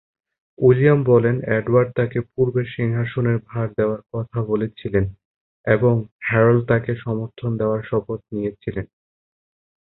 William বলেন Edward তাকে পূর্বে সিংহাসনের ভার দেওয়ার কথা বলেছিলেন এবং হ্যারল্ড তাকে সমর্থন দেওয়ার শপথ নিয়েছিলেন।